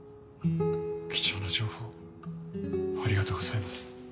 貴重な情報ありがとうございます。